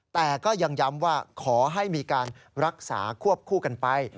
แต่ก็ยังย้ำว่าขอให้มีการรักษาควบคู่กันไป